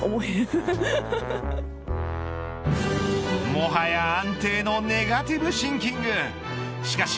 もはや安定のネガティブシンキングしかし